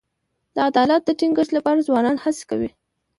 د عدالت د ټینګښت لپاره ځوانان هڅې کوي.